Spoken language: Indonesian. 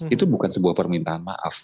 itu bukan sebuah permintaan maaf